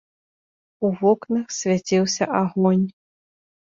У вокнах свяціўся агонь.